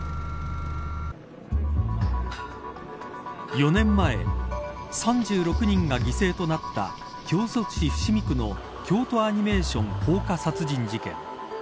４年前３６人が犠牲となった京都市伏見区の京都アニメーション放火殺人事件。